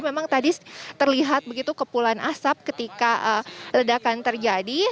jadi memang tadi terlihat begitu kepulan asap ketika ledakan terjadi